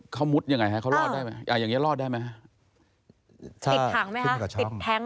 เค้ามุดเช่นนี้อย่างไรครับเค้ารอดได้ไหม